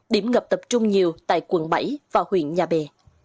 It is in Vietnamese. điểm ngập tập trung nhiều tại quận bảy và huyện nhà bè